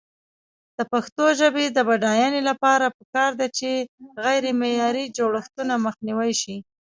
د پښتو ژبې د بډاینې لپاره پکار ده چې غیرمعیاري جوړښتونه مخنیوی شي.